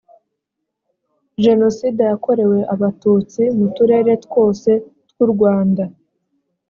jenoside yakorewe abatutsi mu turere twose tw’u rwanda